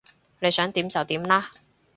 你想點就點啦